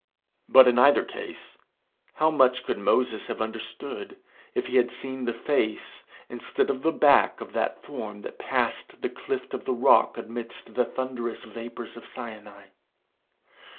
But in either case, how much could Moses have understood, if he had seen the face instead of the back of that form that passed the clift of the rock amidst the thunderous vapours of Sinai?